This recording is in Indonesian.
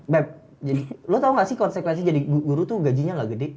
beb jadi lo tau gak sih konsekuensi jadi guru tuh gajinya gak gede